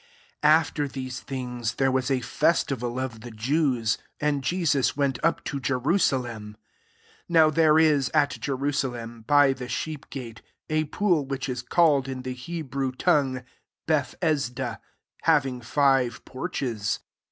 1 AFTER these things there was a festival of the Jews ; and Jesus went up to Jerusa lem. % Now there is at J^ oaa^ 16S JOHN V. l^m, by the shccp s^fl^tf, a pool, which is called in the Hebrew tongue Bethesda, having five porches.